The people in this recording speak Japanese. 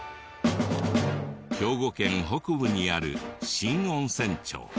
兵庫県北部にある新温泉町。